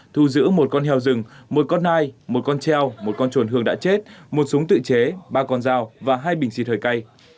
thu giữ một con heo rừng một con ai một con treo một con chuồn hương đã chết một súng tự chế ba con dao và hai bình xịt hơi cay